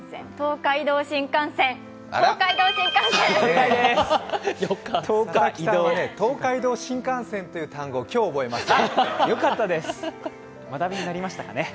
佐々木さんは東海道新幹線という単語を今日覚えました。